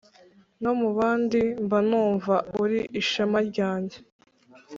no mubandi mbanumva uri ishema ryanjye